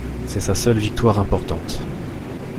C'est sa seule victoire importante.